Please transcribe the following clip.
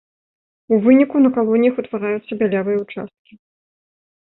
У выніку на калоніях утвараюцца бялявыя ўчасткі.